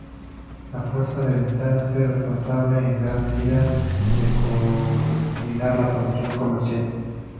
La fuerza de ventas es responsable en gran medida de coordinar la promoción comercial.